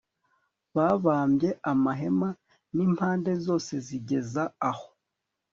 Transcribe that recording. babambye amahema n impande zose zigeza aho